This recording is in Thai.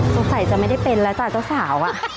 สงสัยจะไม่ได้เป็นแล้วจ้ะเจ้าสาว